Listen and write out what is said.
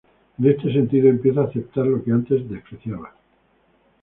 En este sentido, empieza a aceptar lo que antes despreció.